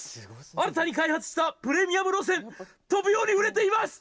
新たに開発したプレミアム路線飛ぶように売れています！」